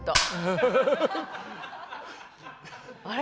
あれ？